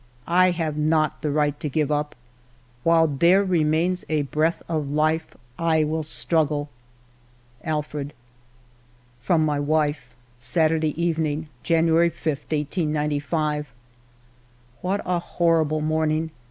I have not the right to give up. While there re mains a breath of life I will struggle. Alfred." From my wife :— "Saturday evening, January 5, 1895. " What a horrible morning